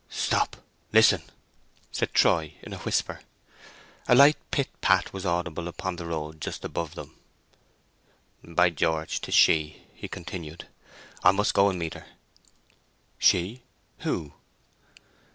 "Stop, listen!" said Troy in a whisper. A light pit pat was audible upon the road just above them. "By George—'tis she," he continued. "I must go on and meet her." "She—who?"